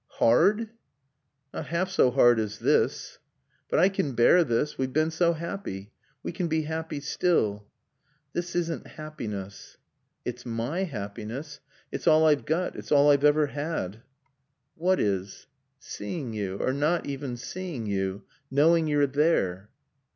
"Hard?" "Not half so hard as this." "But I can bear this. We've been so happy. We can be happy still." "This isn't happiness." "It's my happiness. It's all I've got. It's all I've ever had." "What is?" "Seeing you. Or not even seeing you. Knowing you're there."